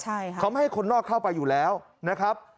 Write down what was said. ใช่ค่ะเขาไม่ให้คนนอกเข้าไปอยู่แล้วนะครับ